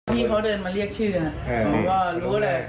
พี่เขาเดินมาเรียกชื่อผมก็รู้แหละ